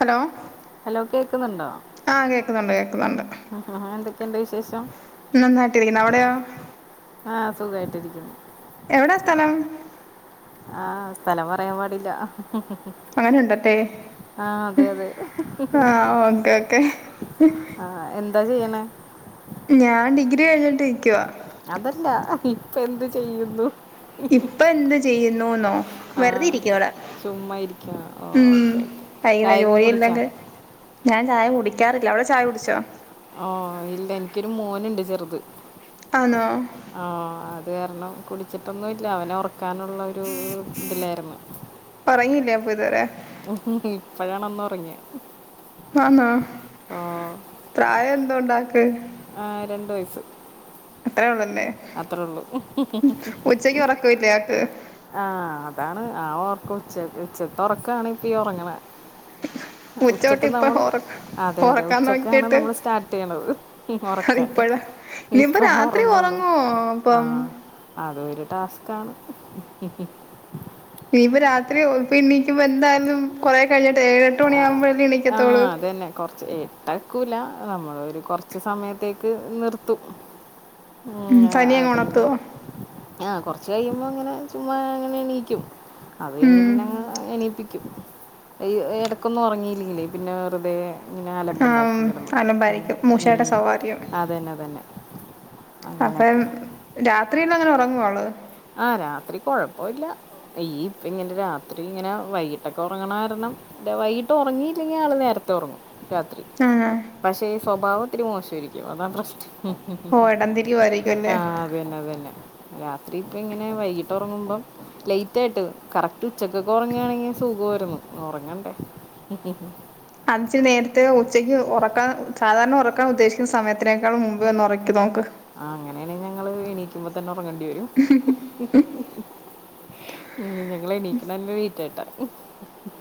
Hello hello കേൾക്കുന്നുണ്ടോ ആ കേക്കുന്നുണ്ട് കേക്കുന്നുണ്ട് ആ എന്തൊക്കെണ്ട് വിശേഷം നന്നായിട്ടിയിരിക്കുന്ന് അവിടെയോ ആഹ് സുഖായിട്ടിരിക്കുന്നു എവടാസ്ഥലം ആഹ് സ്ഥലം പറയാൻ പാടില്ല അങ്ങനെ ഉണ്ടട്ടെ ആ അതെ അതെ ആ ഒക്കെ ഒക്കെ ആഹ് എന്താ ചെയ്യണേ ഞാൻ ഡിഗ്രി കഴിഞ്ഞിട്ട് ഇരിക്യുവാ അതല്ല ഇപ്പം എന്ത് ചെയ്യുന്നു ഇപ്പൊ എന്ത് ചെയ്യുന്നുന്നോ ആ വെറുതെ ഇരിക്യാ ഇവിടെ ചുമ്മാ ഇരിക്യാ ഉം ഓക്കെ ഓക്കെ വൈകുന്നേരം ചായയൊക്കെ കുടിച്ചോ ജോലിയില്ലെങ്കിൽ ഞാൻ ചായ കുടിക്ക്യാറില്ല അവിടെ ചായ കുടിച്ചോ ഓ ഇല്ല എനിക്കൊരു മോനുണ്ട് ചെറ്ത് അണോ ആ അത് കാരണം കുടിച്ചിട്ടൊന്നും ഇല്ല അവനെ ഒറക്കാനുള്ളരു ഇതിലായിരുന്നു ഒറങ്ങിയില്ലേ അപ്പം ഇത് വരെ ഇപ്പഴാണ് ഒന്ന് ഒറങ്യേ ആന്നാ പ്രായം എന്തോ ഉണ്ടാക്ക് ആഹ് രണ്ട് വയസ്സ് അത്രേ ഒള്ളൂ അല്ലെ അത്ര ഒള്ളു ഉറക്കമില്ലേ ആക്ക് ആഹ് അതാണ് ആ ഒർക്ക ഉച്ച ഉച്ചത്തെ ഉറക്കണ് ഇപ്പം ഒറങ്ങണേ [inaudible] തൊട്ട് ഉച്ചക്ക് ഇപ്പൊ നമ്മൾ ഉറ അതെ അതെ ഉറക്കാൻ ഉച്ചക്കാണ് നോക്കിയിട്ട് നമ്മൾ സ്റ്റാർട്ട് ചെയ്യണത് ഉറക്കം അതിപ്പഴാ ഇനിയിപ്പ ഇപ്പളാ രാത്രി ഉറങ്ങുള്ളൂ. ഒറങ്ങുവോ അപ്പം ആഹ് അതോരു ടാസ്ക്കാണ് ഇനിയിപ്പ രാത്രി ഇപ്പ ഇണ്ണീക്കുമ്പോ എന്തായാലും കുറേ കഴിഞ്ഞിട്ട് ഏഴെട്ട് മണിയാകുമ്പോഴല്ലേ എണിക്കത്തോള്ളൂ തന്നെ കൊറച്ച് ഏഹ് നിക്കൂല നമ്മള് ഒരു കൊറച് സമയത്തേക്ക് നിർത്തും ഉം തനിയെങ്ങ് ഉണർത്തും ആഹ് കൊറച് കയിമ്പോ ഇങ്ങനെ ചുമ്മാ അങ്ങനെ എണീക്കും അത് കഴിഞ്ഞ ഉം പിന്നെ എണീപ്പിക്കും [unintelligible] ഇടക്കൊന്ന് ഉറങ്ങിയില്ലങ്കില് പിന്നെ വെറുതെ ഇങ്ങനെ അലമ്പ് ഉണ്ടാക്കും ആഹ് കിടന്ന അലമ്പായിരിക്കും മൂശയുടെ ഉം സ്വഭാവമായിരിക്കും അതന്നെ അതന്നെ അങ്ങനെക്കെ. രാത്രില് അങ്ങനെ ഉറങ്ങൊവള്? ആ രാത്രി കൊഴപ്പഇല്ല ഈ ഇപ്പ ഇങ്ങനെ രാത്രിങ്ങനെ വൈകിട്ടൊക്കെ ഒറങ്ങണാരണം ല്ല വൈകിട്ട് ഒറങ്ങിയില്ലെങ്കി ആള് നേരത്തെ ഒറങ്ങും രാത്രി ആഹ് പക്ഷെ ഈ സ്വഭാവം ത്തിരി മോശയിരിക്ക്യും അതാ പ്രശ്നം ഓ എടംതിരിവായിരിക്കും അല്ലേ അതന്നെ അതന്നെ രാത്രി ഇപ്പങ്ങനെ വൈകിട്ട് ഉറങ്ങുമ്പം ലൈറ്റ് ആയിട്ട് കറക്റ്റ് ഉച്ചക്കൊക്കെ ഒറങ്ങണെങ്കി സുഖയിരുന്നു ഒറങ്ങണ്ടേ ഉം ഉം അഞ്ച് നേരത്തെ ഉച്ചയ്ക്ക് ഒറക്കാൻ സാധാരണ ഒറക്കാൻ ഉദ്ദേശിക്കുന്ന സമയത്തിനേക്കാളും മുമ്പേഒന്ന് ഒറക്കി നോക്ക് ആ അങ്ങനെയണെങ്കി ങ്ങള് എണീക്കുമ്പോ തന്നെ ഉറങ്ങേണ്ടി വരും ഉം ഞങ്ങള് എണീക്കണന്നെ ലേറ്റായിട്ടാ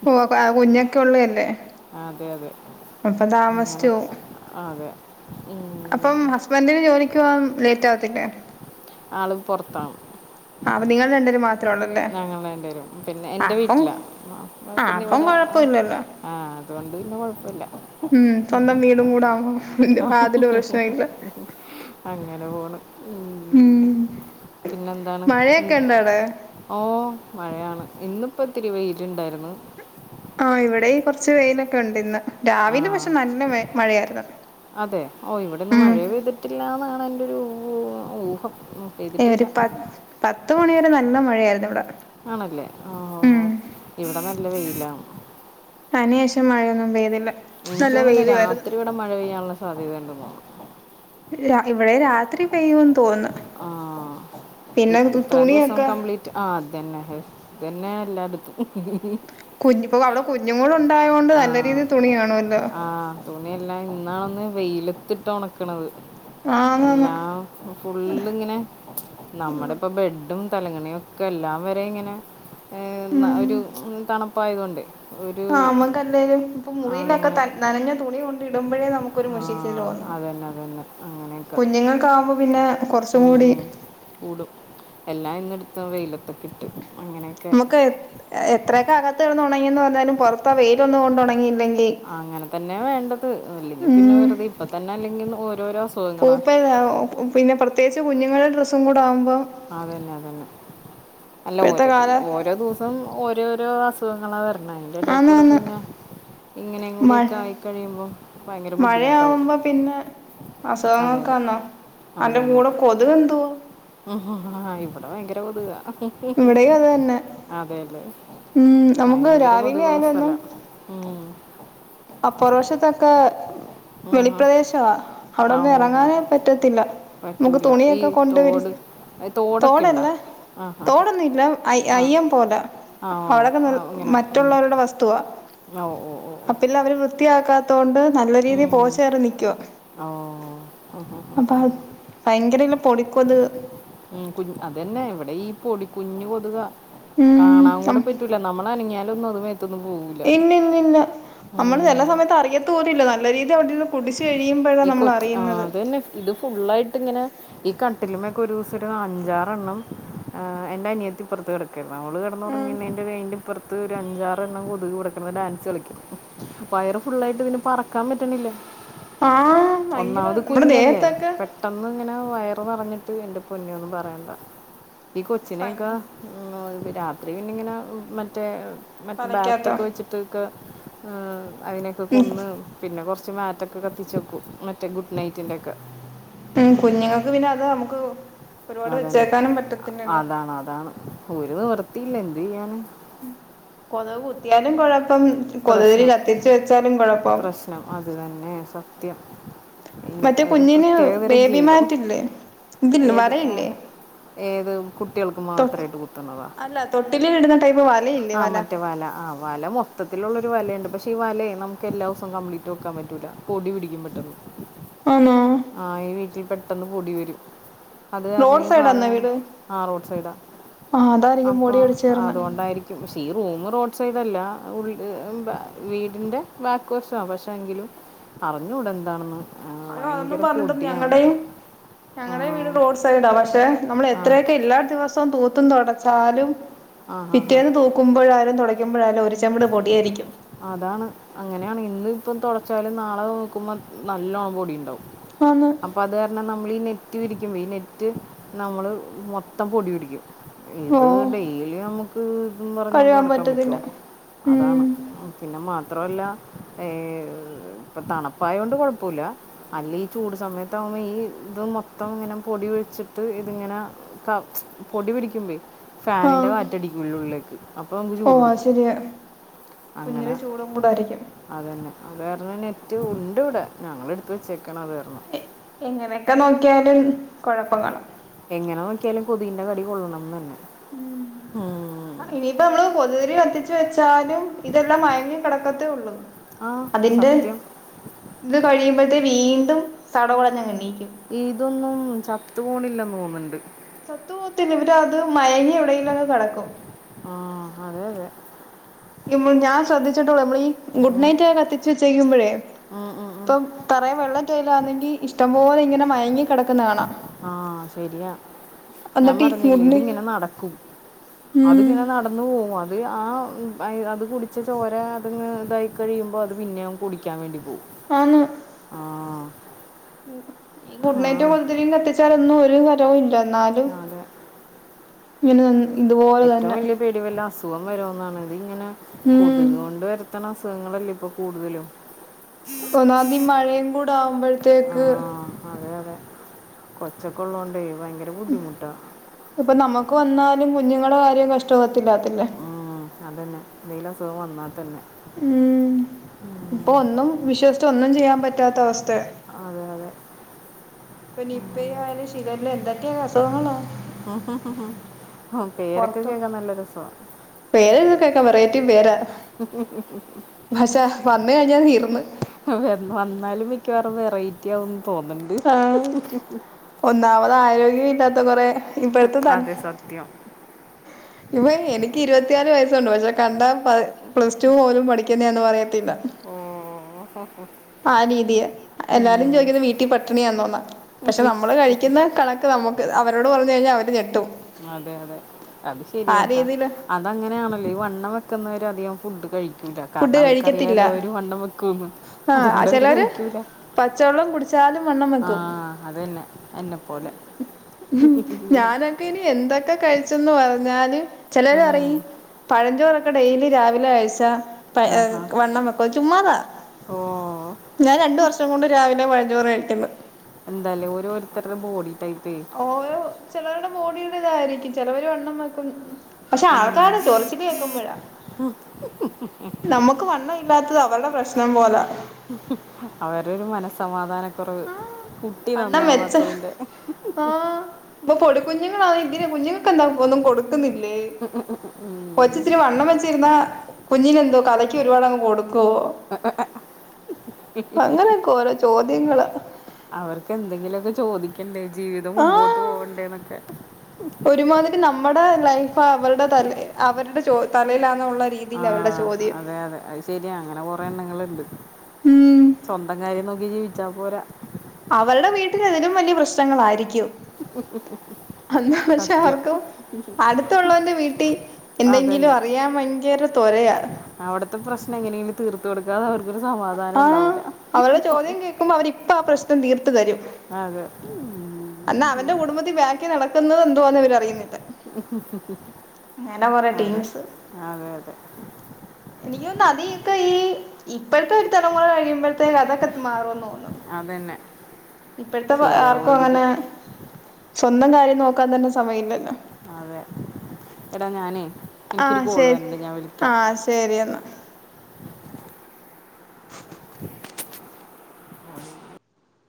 ഓ പ്പ കുഞ്ഞൊക്കെ ഉള്ളല്ലേ അതെ അതെ അങ്ങനെക്കെ പോവും അ അതെ ഉം അപ്പം ഹസ്ബന്റിന് ജോലിക്കോവാൻ ലേറ്റ് ആവത്തില്ലേ ആള് പൊർത്താണ് ആ അപ്പ നിങ്ങൾ രണ്ടരു മാത് ഞങ്ങൾ രണ്ടരും പിന്നെ എൻറെ അപ്പം വീട്ടില അപ്പൊ ആ പിന്നെ അപ്പം ഇവിടെ കൊഴപ്പമില്ലല്ലോ ആ അതുകൊണ്ട് പിന്നെ കൊഴപ്പല്ല ഉം സ്വന്തം വീടും കൂടെ ആവുമ്പോ പിന്നെ യാതൊരു പ്രശ്നം ഇല്ല അങ്ങനെ പോണ് ഉം പിന്നെന്താണ് മഴയൊക്കെ എന്താ ഉണ്ടോ അവിടെ ഓ മഴയാണ് ഇന്നിപ്പോത്തിരി വെയില്ണ്ടാര്ന്ന് ആ ഇവിടെ ഈ കൊറച്ച് വെയിലൊക്കെ ഉണ്ട്ന്ന് ആ രാവിലെ പക്ഷെ നല്ല മയ് മഴയാരുന്നു അതെ ഓ ഇവിടെന്ന് മഴേ പെയ്തിട്ടില്ലന്നാണ് എൻറരു ഊ ഊഹം ഏ ഒരു പെയ്തിട്ടില്ല പ പത്ത് മണി വരെ നല്ല മഴയാരുന്നു ഇവിടെ ആണല്ലേ ഉം ഓഹോ ഇവിടെ നല്ല വെയിലാണ് അനിയേഷം മഴയൊന്നും പെയ്തില്ല നല്ല ഇൻക്യോന്ന്ണ് വെയിലുമായിരുന്നു രാത്രി ഇവിടെ മഴ പെയ്യാനുള്ള സാധ്യത ഇണ്ടന്ന് രാ ഇവിടെയും രാത്രി പെയ്യുന്ന് തോന്ന് ആ പിന്നെ ഇ- തു ഇത്രയും ദിവസം തുണിയൊക്കെ കംപ്ലീറ്റ് ആ അതന്നെ തന്നെ എല്ലാട്ത്തും കുഞ്പ്പോ അവിടെ കുഞ്ഞുടൊണ്ടായോണ്ട് ആ നല്ല രീതിയിൽ തുണികാണുവല്ലോ ആ തുണിയെല്ലാം ഇന്നാണൊന്ന് വെയിലത്തിട്ട് ഉണക്കണത് ആന്നാന്ന് എല്ലാം ഫുള്ള്ങ്ങനെ നമ്മടെപ്പ ബെഡും തലങ്ങ്ണി ഒക്കെ എല്ലാം വരെ ഇങ്ങനെ ഏ ന്ന ഉം ഒരു തണുപ്പ് ആയതു കൊണ്ട് ആ അമ്മക്ക് അല്ലേലും ഇപ്പ മുറിയിലൊക്കെ അങ്ങനെ ത നനഞ്ഞ തുണി കൊണ്ടെ ഇടുമ്പഴേ നമുക്ക് ഒരു ആ മുഷിച്ചിൽ ലോ അതന്നെ അതന്നെ അങ്ങനെ കുഞ്ഞുങ്ങൾക്ക് ആവുമ്പോ പിന്നെ കൊർച്ചും കൂടി കൂടും എല്ലാം ഇന്ന് എടുത്ത് വെയിലത്ത്ക്ക് ഇട്ട് അങ്ങനെ നമുക്ക് എത് എത്രയൊക്കെ അകത്ത് കെട്ന്ന് ഉണങ്ങിന്ന് പറഞ്ഞാലും പുറത്ത വെയില് ഒന്ന് കൊണ്ട് ഒണങ്ങി ഇല്ലെങ്കിൽ അങ്ങനെ തന്നെ വേണ്ടത് ഇല്ലെങ്കിൽ പിന്നെ ഉം വെറുതെ ഇപ്പ തന്നെ അല്ലെങ്കി ഓരോര അസു പൂപ്പല്ല ഒ പിന്നെ പ്രത്യേകിച്ച് കുഞ്ഞുങ്ങളെ ഡ്രസ്സും കൂടെ ആകുമ്പോ അതന്നെ അതന്നെ അല്ല ഇപ്പോഴത്തെ ഓരോ കാല ഓരോ ദിവസം ഓരോരോ അസുഖങ്ങള വര ണയിന്റെ ഇടക്കൂടെ ആന്നാന്ന് പിന്നെ ഇങ്ങനേം കൂടി ഒക്കെ മഴ ആയി കഴിയുമ്പോ ഭയങ്കര ബുദ്ധി മുട്ടാവും അസുഖങ്ങളൊക്കെ വന്നോ അന്റെ അതന്നെ കൂടെ കൊതുക് എന്തുവാ ആ ഇവിടെ ഭയങ്കര കൊതുക ഇവിടെയും അത് തന്നെ അതെ അല്ലേ ഉം നമുക്ക് രാവിലെ ആയ്ലും എന്നും ഉം അ പൊറവശത്ത് ഒക്കെ വെളി ആ പ്രദേശ ആ അവിട ആ ഒന്നും ഹോ ഹോ ഇറങ്ങാനേ പറ്റത്തില്ല മ്മക്ക് പറ്റൂല ഈ തുണിയൊക്കെ കൊണ്ടേ വിരി തോട് ഏ, തോടൊക്കെ ഉണ്ടോ തോടല്ലേ ആ ഹാ തോട് ഒന്നും ഇല്ല അയ്യ ആ അയ്യം പോല ആ ഓ അവിടൊക്കെ ആ, ഇങ്ങനെ മറ്റുള്ള ഉം. അവരുടെ വസ്തുവാ ഓ ഓ ഓ ഓ പ്പില്ല അവര് വൃത്തിയാക്കാത്ത കൊണ്ട് നല്ല രീതി ഉം. പോച്ചേറി നിക്കുവാ ഓ ഹ, ഹ, ഹ, ഹ. അപ്പാൾ ഭയങ്കര ഇല്ലേ പൊടി കൊതുക് ഉം കുഞ്ഞ് അതന്നെ ഇവിടെ ഈ പൊടി കുഞ്ഞ് കൊതുക കാണാൻ കൂടെ ഉം പറ്റ റ്റുല്ല നമ്മള് അനങ്ങിയാല് ഒന്നും അത് മെ ഇത് ഒന്നും പോകു ഇന്ന ഇന്ന ഇന്ന അമ്മള് ചെല സമയത്ത് അറിയത്തു കൂടിയില്ല നല്ല രീതി അവിടെന്ന് കുടിച്ച് കഴിയുമ്പോഴാണ് ഈ നമ്മൾ കൊച്ച് ആ, അറിയുന്നത് അതന്നെ ഇത് ഫുുള്ളായിട്ട് ഇങ്ങനെ ഈ കട്ടിലിമേ ഒക്കെ ഒരു ദിവസം ഒരു അഞ്ചാറ് എണ്ണം ആ എന്റെ അനിയത്തി പൊറത്ത് കേറി കെറണാ അവള് കെടന്ന് ഒറങ്ങി ഇന്ന് എന്റെ ബെഗിന്റ് ഇപ്പറ പത്ത് ഒരു അഞ്ചാറ് എണ്ണം കൊതുക് ഇവിടെ കിടന്ന് ഡാൻസ് കളിക്കും പയറ് ഫുള്ളായിട്ട് ഇതിന് പറക്കാൻ പറ്റണില്ല ആഹ് ഭയങ്കര ഒന്നാമത് നമ്മടെ ദേഹത്ത് കുഞ്ഞല്ലേ ഒക്കെ പെട്ടെന്ന് ഇങ്ങനെ വയറ് പറഞ്ഞിട്ട് എന്റെ പൊന്നോ ഒന്നും പറയണ്ട ഈ കൊച്ചിനെക്കെ പനി ഉം ഒരു രാത്രി പിന്നെ ഇങ്ങനെ മറ്റേ മറ്റേ തലയ്ക്കകത്തോ ബാറ്റൊക്കെ വെച്ച് തൂക്ക ആ അയിനെക്കെ ഉം കൊന്ന് പിന്നെ കൊറച്ച് മാറ്റ് കത്തിച്ച് വെക്കും മറ്റേ ഗുഡ് നൈറ്റിന്റെ ഒക്കെ പേ കുഞ്ഞുങ്ങൾക്ക് പിന്നെ അത് അമുക്ക് അതന്നെ അതാണ് അതാണ് ഒര് നിവർത്തിയില്ല എന്ത് ചെയ്യാന് കൊതുക് കുത്തിയാലും കൊഴപ്പം കൊതുക് തിരി കത്തിച്ച് വെച്ചാലും കൊഴപ്പം ആ ആ അതു തന്നെ സത്യം ഈ മറ്റേ ഒരു കുഞ്ഞിന് പ്രത്യേകതരം ബേബി ജീവിതം മാറ്റില്ലേ ഇതില് ഏത് ആ, വലയില്ലേ ഏത് കു കുട്ടികൾക്ക് തൊ മാത്രം ഇത് കുത്തുന്നതാ അല്ല തൊട്ടിലിൽ ഇടുന്ന ടൈപ്പ് വലയില്ലേ ആ മറ്റേ വല ആ വല മൊ മൊത്തത്തില് ഒള്ള ഒരു വലയുണ്ട് പക്ഷെ ഈ വല നമുക്ക് എല്ലാ ദിവസവും കംപ്ലീറ്റ് നോക്കാൻ പറ്റൂല പൊടി പിടിക്കും പെട്ടെന്ന് ആന്നോ ആഹ് ഈ വീട്ടിൽ പെട്ടെന്ന് പൊടി വെരും അത് അന്നെ റോഡ് ഈ സൈഡാന്നോ സാധനം വീട് ആ റോഡ് സൈഡാ ആഹ് അതായിരിക്കും അപ്പോ പൊടി പിടിച്ചേർന്ന് അത് കൊണ്ടായിരി പക്ഷേ ഈ റൂമ് റോഡ് സൈഡ് അല്ല ആ ഉള്ളില് ബാ വീടിൻ്റെ ബാക്ക് വശണ് പക്ഷേ എങ്കിലും അറിഞ്ഞു കൂടെ എന്താണ് എന്ന് അയ്യോ അതൊന്നും പറഞ്ഞിട്ട് ഒന്നും ഞങ്ങളുടെയും ആ ഞങ്ങടെ വീട് റോഡ് സൈഡാ പക്ഷെ നമ്മള് ആ എത്രയൊക്കെ ഇല്ലാ ദിവസം തൂ തുടചാലും ആ ആ ആ പിറ്റേന്ന് തു കുമ്പഴാലും തുടയ്ക്കുമ്പോഴാലും ഒരു ചവിട് പൊടിയായിരിക്കും അതാണ് അങ്ങനെയാണ് ഇന്ന് ഇപ്പം തുടച്ചാലും നാളെ നോക്കുമ്പോ നല്ലോണം പൊടി ഉണ്ടാവും അന്ന് അപ്പൊ അത് കാരണം നമ്മൾ ഈ നെറ്റ് വിരിക്കുമ്പോ ഈ നെറ്റ് നമ്മള് മൊത്തം പൊടി പിടിക്കും ഇത് ഓഹ് ഡെയിലി നമുക്ക് ഇതും പറഞ്ഞോണ്ട് കഴുകാൻ നടക്കാൻ പറ്റോ പറ്റത്തില്ല അതാണ് ഉം പിന്നെ മാത്രല്ല ഇപ്പ തണുപ്പായ കൊണ്ട് കൊഴപ്പല്ല അല്ല ഈ ചൂട് സമയത്ത്കുമ്പോ ഈ ഇത് മൊത്തം ഇങ്ങനെ പൊടി ഒഴിച്ചിട്ട് ഇതിങ്ങനെ പൊടി പിടിക്കുമ്പ ഫാനിന്റെ ആഹ് വാറ്റടിക്കൂള്ള ഉള്ളിക്ക് അപ്പൊ നമുക്ക് ചൂട് ട്ക്കും കുഞ്ഞന് ചൂടും കൂട ആയിരിക്കും അത തന്നെ അത് കാരണം നെറ്റ് ഉണ്ട് ഇവിടെ ഞങ്ങ എടുത്ത് വച്ചേക്കണ അത് കാരണം എങ്ങനെയൊക്കെ നോക്കിയാലും കുഴപ്പ കാണു എങ്ങനെ നോക്കിയാലും കൊതിന്റെ കടി കൊള്ളണംന്ന് തന്നെ ഉം ഇനിയിപ്പ നമ്മള് കൊതുതിരി എത്തിച്ച വെച്ചാലും ഇതെല്ലാം മയങ്ങി കിടക്കത്തേ ഉള്ളൂ ആ അതിന്റെ സത്യം ഇത് കഴിയുമ്പോഴത്തെേ വീണ്ടും തടകുടഞ് എണ്ണയിക്കും. ഇതൊന്നും ചത്ത് പോണില്ലന്ന് തോന്നുന്ണ്ട്. ചത്തു പോകത്തില്ല അത് മയങ്ങി എവിടെങ്കിലും അങ് കിടക്കും. ആഹ അതെ അതെ ഇ ഞാൻ ശ്രദ്ധിച്ചിട്ടളൂ നമ്മള് ഈ ഗുഡ് നൈറ്റ് കെ കത്തിച്ച് വെച്ചേക്കുമ്പോഴേ ഉം, ഉം, ഉം. ഇപ്പം തറയിൽ വെള്ളംറ്റൈയിലാ ആണെങ്കിൽ ഇഷ്ടംപോലെ ഇങ്ങനെ മയങ്ങി കിടക്കുന്ന കാണാം. ആഹ ശരിയാ ഞാൻ എന്നിട്ട് ഈ പറഞ്ഞില്ലേ ഗുഡ് നൈറ്റ് ഇതിങ്ങനെ നടക്കും. ഉം അത്ങ്ങനെ നട ന്ന് പോകും അത് ആ അത് കുടിച്ച ചോര അത് ഇതായി കഴിയുമ്പോൾ അത് പിന്നെയും കുടിക്കാൻ വേണ്ടി പോകവും. അന്ന്. ആഹ് ഈ ഗുഡ് നൈറ്റ് കൊടുതിരയും കത്തിച്ചാലൊന്നും ഒരു കരവും ഇല്ല എന്നാല്. അതൊ ഇങ്ങനെ ഇതുപോലെ ഏറ്റവും തന്നെ വലിയ പേടി വല്ല അസുഖം വരുന്നാണ്. ഇത് ഇങ്ങനെ ഉം കൊതുക് കൊണ്ട് വരുത്തണ അസുഖങ്ങളല്ലേം ഇപ്പോൾ കൂടുതലും. ഒന്നാം തി ഈ മഴയും കൂടെ ആവുമ്പോഴത്തേക്ക്. ആ അതെ അതെ കൊച്ചക്കെള്ളുകോണ്ടേ ഭയങ്കര ബുദ്ധിമുട്ടാ. ഇപ്പൊ നമുക്ക് വന്നാലും കുഞ്ഞുങ്ങളുടെ കാര്യം കഷ്ടകത്തില്ലാത്തില്ലേ ഉം അതന്നെ എന്തെങ്കിലും അസുഖം വന്നാൽ തന്നെ. ഉം ഇപ്പൊ ഒന്നും വിശ്വസിച് ഒന്നും ചെയ്യാൻ പറ്റാത്ത അവസ്ഥ. അതെ അതെ പനിപ്പേ ആയലും ശിഖല എന്തകൊ അസുഖങ്ങള. ഉ പേരൊക്കെ കേൾക്കാൻ നല്ല രസവ പേരെതൊ കേക്കാ വെറൈറ്റി പേരാ പക്ഷെ വന്ന കഴിഞ്ഞാ തീർന്ന്. വന്നാലും മിക്ക വേറെ വെറൈറ്റി ആവുന്ന് തോന്ന്ണ്. ആ ഒന്നാമത് ആരോഗ്യമില്ലാത്ത കൊറെ ഇപ്പതെ തല അതെ സത്യം ഇപ്പ എനിക്ക് ഇരുപത്തിയാല് വയസ്സുണ്ട് പക്ഷെ കണ്ടാ പ പ്ലസ് ടു പോലും പഠിക്കുന്നേ എന്ന് പറയത്തില്ല. ഓ ഹ ഹ ആ രീതിയ എല്ലാരും ചോദിക്കുന്നത് വീട്ടിൽ പട്ടിണിയാ ന്ന. പക്ഷെ നമ്മള് കഴിക്കുന്ന കണ നമുക്ക് അവരോട് പറഞ്ഞ് കഴിഞ്ഞാ അവര് നെട്ടും. അതെ അതെ അത് ശരിയയാട്ടാ. രീതിയില് ആ അതങ്ങനെ ആണല്ലോ ഈ വണ്ണം വെക്കുന്നവര് അധികം ഫുഡ് കഴിക്ക് കാരണം ഫുഡ് കഴിക്കത്തില്ല അവർക്ക്റിയാലോ അവര് വണ്ണം വെക്കൂന്ന് ആ അതുകൊണ്ട് അവര് ചിലര് കഴിക്കൂല. പച്ചവെള്ളം കുടിച്ച ചാലും വണ്ണം. വെക്കും ആഹ് അത് തന്നെ എന്നെപ്പോലെ ഞാനൊക്കെ ഇനി എന്തൊക്കെ കഴിച്ചെന്ന് പറഞ്ഞാലു. ചെലര് ഉം. പറയും. പഴഞ്ചോറൊക്കെ ഡെയിലി രാവിലെ കഴിച്ച. പഴെ ആഹാ വണ്ണംവെക്കും ചുമ്മാതാ. ഓ ഞാൻ രണ്ട് വർഷംകൊണ്ട് രാവിലെ പഴഞ്ചോറ് കഴിക്കിന്ന്. എന്താല്ലേ ഓരോരുത്തരുടെ ബോഡി ടൈപ്പേ. ഓരോ ചെലവര്ടെ ബോഡീടെ ഇതായിരിക്കും ചെലവര് വണ്ണം വെക്കും. പക്ഷെ ആൾക്കരെ ചൊറിച്ചില് കേക്കുമ്പൊഴ. [inaudible] നമക്ക് വണ്ണം ഇല്ലാത്തത് അവർടെ പ്രശ്നം പോലൊ. അവര് ഒരു മനസ്സമാധാനക്കൊറവ്. വണ്ണം വെച്ച് ആഹ് ഇപ്പോ പൊടിക്കുഞ്ഞുങ്ങളാ ഇതിന് കുഞ്ഞുങ്ങക്കെന്താ ഒന്നും കൊടുക്കുന്നില്ലേ? കൊച്ചിത്തിരി വണ്ണം വെച്ചിരുന്നാ കുഞ്ഞിന് എന്തോ കലക്കി ഒരുപാടങ്ങ് കൊടുക്കുവോ? അങ്ങനെയൊക്കെ ഓരോ ചോദ്യങ്ങളാ. അവർക്ക് എന്തെങ്കിലുവൊക്കെ ചോദിക്കണ്ടേ ജീവിതം ആഹ് മുമ്പോട്ട് പോവണ്ടേന്നൊക്കെ ഒരുമാതിരി നമ്മടെ ലൈഫ് അവരുടെ തലേ അവരുടെ ചോദ്യ തലേലാന്നൊള്ള രീ ആഹ് അതെ അതെ [unintelligible] ശരിയാ അങ്ങനെ കൊറേ എണ്ണങ്ങളിണ്ട് ഉം സ്വന്തം കാര്യം നോക്കി ജീവിച്ചാ പോരാ അവർടെ വീട്ടില് ഇതിലും വലിയ പ്രശ്നങ്ങളാരിക്കും [unintelligible] പക്ഷേ സത്യം ആർക്കും അടുത്തുള്ളവന്റെ വീട്ടി എന്തെങ്കിലും അതന്നെ അറിയാൻ ഭയങ്കര തൊരയാ. അവടത്തെ പ്രശ്നം എങ്ങനേലും തീർത്ത് കൊടുക്കാതെ അവർക്കൊരു സമാധാനം ആഹ് ഉണ്ടാവൂല്ലാ. അവരുടെ ചോദ്യം കേൾക്കുമ്പോ അവരിപ്പം ആ പ്രശ്നം തീർത്തു തരും. അതെ ഉം അന്നാ അവന്റെ കുടുംബത്തി ബാക്കി നടക്കുന്നത് എന്തുവാന്ന് ഇവരരറിയുന്നില്ല. അതെ ടീംസ് അതെ അതെ. എനിക്കോന്നു അതിക്കെ ഈ ഇപ്പഴത്തെ ഒരു തലമുറ കഴിയുമ്പഴത്തേന് അതൊക്കെ മാറൂന്ന് തോന്ന്. അതന്നെ ഇപ്പഴത്തെ ആർക്കും അങ്ങനെ ശരിയാവുമായിരിക്കും സ്വന്തം കാര്യം നോക്കാൻ തന്നെ സമയില്ലല്ലോ? അതെ എടാ ഞാനേ എനിക്കൊരു ആഹ് കോള് ശരി വരണ്ട് ഞാൻ വിളിക്കാം. ആഹ് ശരി എന്നാ